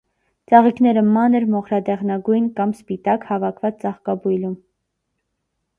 Ծաղիկները՝ մանր, մոխրադեղնագույն կամ սպիտակ, հավաքված ծաղկաբույլում։